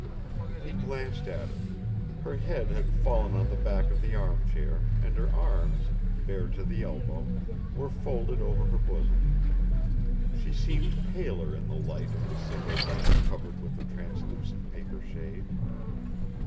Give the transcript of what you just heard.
He glanced at her. Her head had fallen on the back of the armchair and her arms, bare to the elbow, were folded over her bosom. She seemed paler in the light of the single lamp covered with a translucent paper shade.